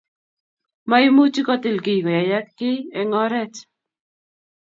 maimuchi kotiil giiy koyayak kiiy eng oret